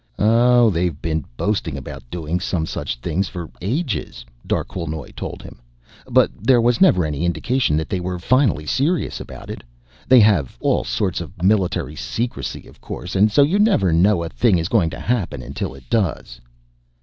"Oh, they've been boasting about doing some such thing for ages," Darquelnoy told him. "But there was never any indication that they were finally serious about it. They have all sorts of military secrecy, of course, and so you never know a thing is going to happen until it does."